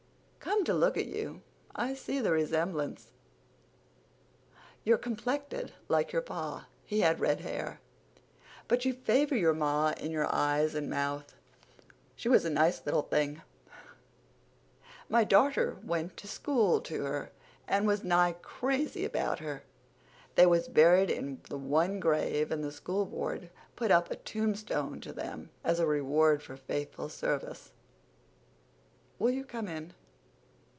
"Come to look at you, I see the resemblance. You're complected like your pa. He had red hair. But you favor your ma in your eyes and mouth. She was a nice little thing. My darter went to school to her and was nigh crazy about her. They was buried in the one grave and the School Board put up a tombstone to them as a reward for faithful service. Will you come in?"